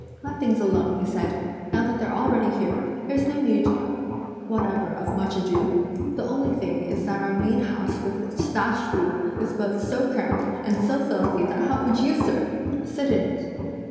"Let things alone," he said; "now that they're already here, there's no need whatever of much ado. The only thing is that our mean house with its thatched roof is both so crammed and so filthy that how could you, sir, sit in it!"